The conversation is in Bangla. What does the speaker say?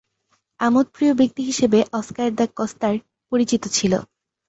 আমোদপ্রিয় ব্যক্তি হিসেবে অস্কার দা কস্তা’র পরিচিতি ছিল।